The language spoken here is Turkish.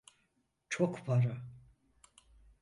Çok para.